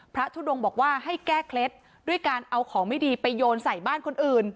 ทุดงบอกว่าให้แก้เคล็ดด้วยการเอาของไม่ดีไปโยนใส่บ้านคนอื่น